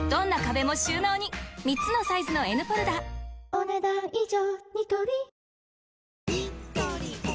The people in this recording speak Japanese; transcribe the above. お、ねだん以上。